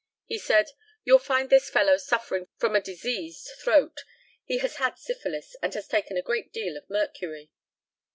He said, "You'll find this fellow suffering from a diseased throat he has had syphilis, and has taken a great deal of mercury."